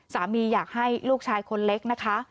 อยากให้ลูกชายคนเล็กนะคะ